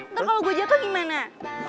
ntar kalau gue jatuh gimana